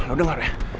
lo denger ya